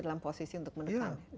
dalam posisi untuk mendekat